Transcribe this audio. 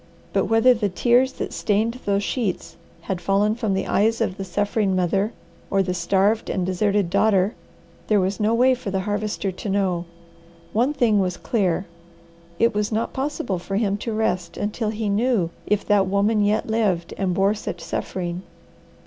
But whether the tears that stained those sheets had fallen from the eyes of the suffering mother or the starved and deserted daughter, there was no way for the Harvester to know. One thing was clear: It was not possible for him to rest until he knew if that woman yet lived and bore such suffering.